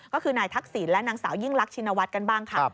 ก็คือนายทักษิณและนางสาวยิ่งรักชินวัฒน์กันบ้างค่ะ